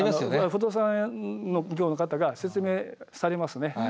不動産業の方が説明されますね。